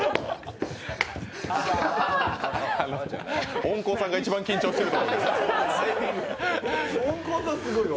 音効さんが一番緊張してるって。